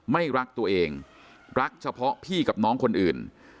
ไม่รักตัวเองรักเฉพาะพี่กับน้องคนอื่น